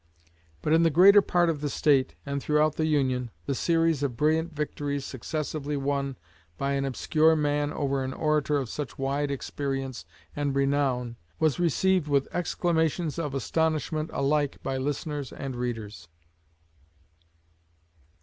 But in the greater part of the State, and throughout the Union, the series of brilliant victories successively won by an obscure man over an orator of such wide experience and renown was received with exclamations of astonishment alike by listeners and readers."